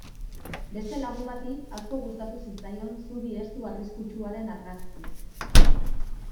Beste lagun bati asko gustatu zitzaion zubi estu arriskutsuaren argazkia.